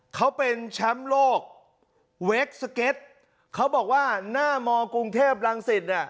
เขาเป็นแชมป์โลกเวคสเก็ตเขาบอกว่าหน้ามกรุงเทพรังสิตเนี่ย